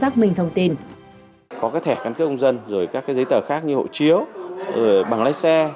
có các thẻ căn cước công dân rồi các giấy tờ khác như hộ chiếu bằng lái xe